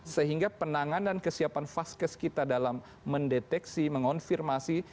sehingga penanganan dan kesiapan fast case kita dalam mendeteksi mengonfirmasi